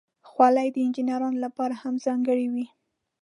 خولۍ د انجینرانو لپاره هم ځانګړې وي.